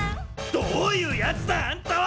どういうやつだあんたは！